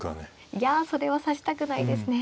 いやそれは指したくないですね。